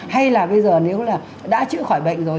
hay là bây giờ nếu là đã chữa khỏi bệnh rồi